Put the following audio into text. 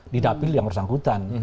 di dapil yang bersangkutan